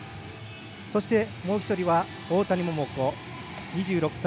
そしてもう１人、大谷桃子２６歳。